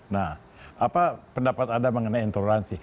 nah apa pendapat anda mengenai intoleransi